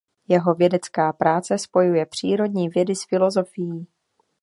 Jeho vědecká práce spojuje přírodní vědy s filozofií.